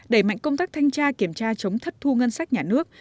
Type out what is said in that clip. đẩy mạnh công tác thanh tra kiểm tra chống thất thu ngân sách nhà nước